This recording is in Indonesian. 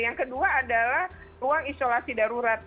yang kedua adalah ruang isolasi darurat